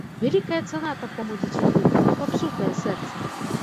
Вялікая цана такому дзецюку, не папсутае сэрца.